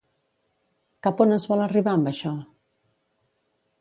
Cap on es vol arribar amb això?